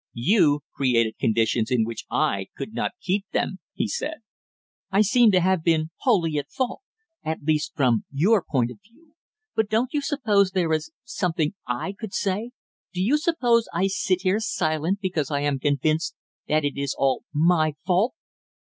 "You created conditions in which I could not keep them!" he said. "I seem to have been wholly, at fault; at least from your point of view; but don't you suppose there is something I could say? Do you suppose I sit here silent because I am convinced that it is all my fault?"